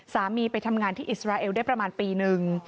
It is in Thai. ไปทำงานที่อิสราเอลได้ประมาณปีหนึ่ง